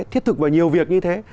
thiết thực và nhiều việc như thế